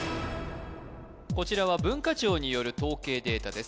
こちらは文化庁による統計データです